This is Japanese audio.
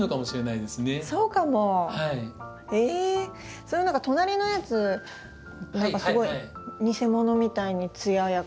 その隣のやつ何かすごい偽物みたいに艶やか。